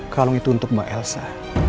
kalung itu untuk mbak elsa